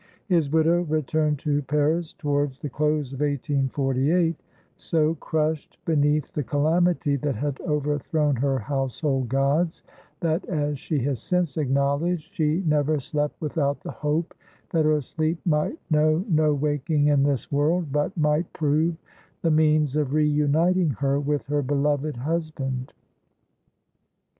His widow returned to Paris towards the close of 1848, so crushed beneath the calamity that had overthrown her household gods, that, as she has since acknowledged, she never slept without the hope that her sleep might know no waking in this world, but might prove the means of re uniting her with her beloved husband.